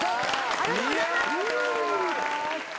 ありがとうございます！